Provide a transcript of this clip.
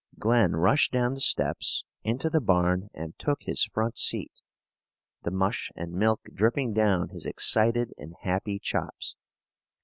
Glen rushed down the steps, into the barn, and took his front seat, the mush and milk dripping down his excited and happy chops.